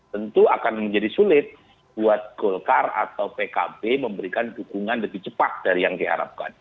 tentu akan menjadi sulit buat golkar atau pkb memberikan dukungan lebih cepat dari yang diharapkan